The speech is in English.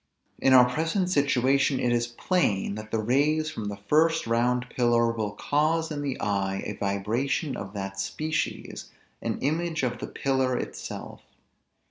In our present situation it is plain, that the rays from the first round pillar will cause in the eye a vibration of that species; an image of the pillar itself.